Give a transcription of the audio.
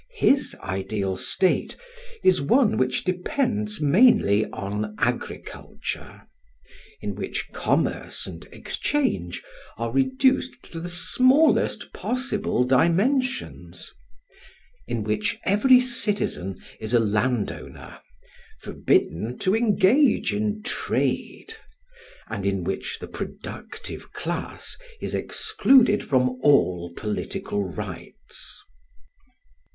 His ideal state is one which depends mainly on agriculture; in which commerce and exchange are reduced to the smallest possible dimensions; in which every citizen is a landowner, forbidden to engage in trade; and in which the productive class is excluded from all political rights.